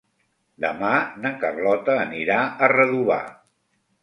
Demà na Carlota anirà a Redovà.